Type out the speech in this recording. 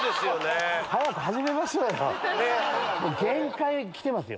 限界きてますよ。